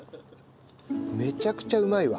めちゃくちゃうまいわ。